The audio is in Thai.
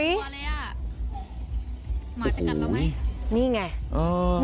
ด้วยทีละไหร่ตัวอะไรอ่ะ